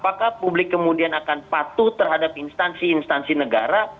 apakah publik kemudian akan patuh terhadap instansi instansi negara